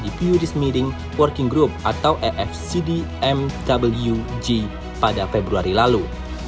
di pudis meeting working group atau efcdmwg pada februari lalu